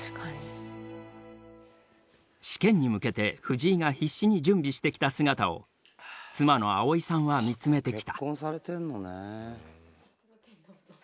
試験に向けて藤井が必死に準備してきた姿を妻の葵さんは見つめてきた。